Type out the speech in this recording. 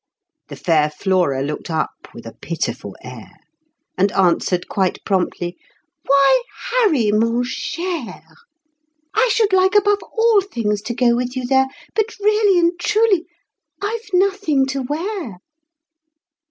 The fair Flora looked up, with a pitiful air, And answered quite promptly, "Why, Harry, mon cher, I should like above all things to go with you there, But really and truly I've nothing to wear."